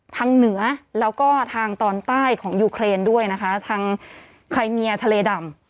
เหนือแล้วก็ทางตอนใต้ของยูเครนด้วยนะคะทางไครเมียทะเลดำ